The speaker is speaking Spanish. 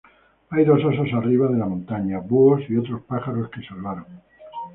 Hay dos osos arriba de la montaña, búhos y otros pájaros que salvaron.